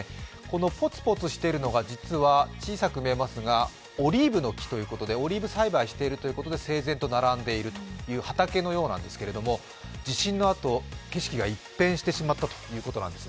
ぽつぽつしているのが実は小さく見えますが、オリーブの木ということでオリーブ栽培しているということで整然と並んでいる畑のようなんですけれども地震のあと景色が一変してしまったということなんですね。